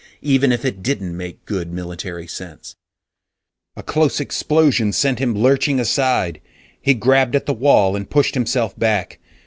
Even if it didn't make good military sense A close explosion sent him lurching aside. He grabbed at the wall and pushed himself back.